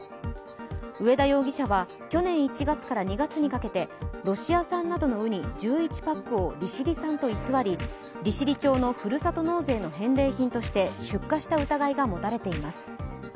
上田容疑者は、去年１月から２月にかけて、ロシア産などのうに１１パックを利尻産と偽り、利尻町のふるさと納税の返礼品として出荷した疑いが持たれています。